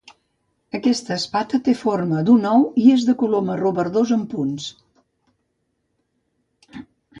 Aquesta espata té la forma d'un ou i és de color marró verdós amb punts.